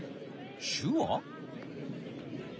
手話？